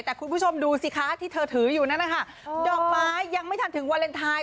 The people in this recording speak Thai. แต่คุณผู้ชมดูดูซิคะที่เธอถืออยู่ดอกไม้ยังไม่ถัดถึงเวลนไทย